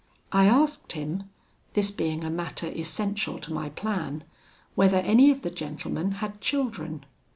"I asked him (this being a matter essential to my plan) whether any of the gentlemen had children.